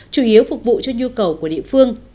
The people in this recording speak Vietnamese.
chủ yếu phục vụ cho nhu cầu của địa phương